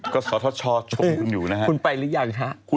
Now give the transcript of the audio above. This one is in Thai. คุณไปหรือยัง